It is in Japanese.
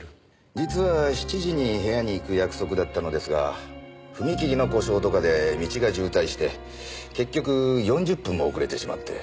実は７時に部屋に行く約束だったのですが踏切の故障とかで道が渋滞して結局４０分も遅れてしまって。